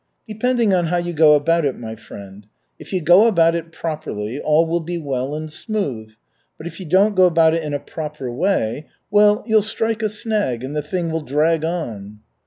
"Depending on how you go about it, my friend. If you go about it properly, all will be well and smooth, but if you don't go about it in a proper way, well, you'll strike a snag, and the thing will drag on."